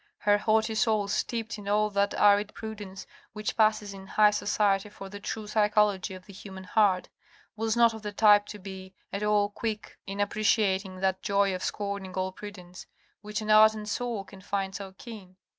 Her haughty soul steeped in all that arid prudence, which passes in high society for the true psychology of the human heart, was not of the type to be at all quick in appreciating that joy of scorning all prudence, which an ardent soul can find so keen.